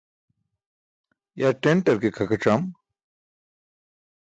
Yar ṭenṭar ke khakac̣am